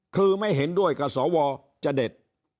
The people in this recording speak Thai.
คือไม่เห็นด้วยกับสวจะเด็ด